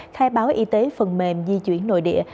khai báo y tế phần mềm di chuyển năng lượng covid một mươi chín